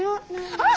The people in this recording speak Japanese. あっ！